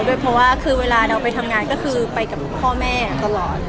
ด้วยเพราะว่าคือเวลาเราไปทำงานก็คือไปกับพ่อแม่ตลอด